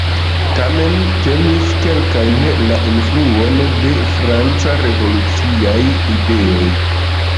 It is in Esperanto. Tamen timis kelkajn la influon de franca revoluciaj ideoj.